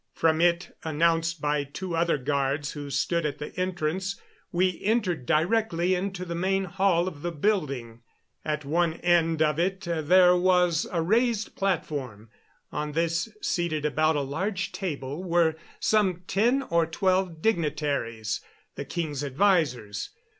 From it, announced by two other guards who stood at the entrance, we entered directly into the main hall of the building. At one end of it there was a raised platform. On this, seated about a large table, were some ten or twelve dignitaries the king's advisers.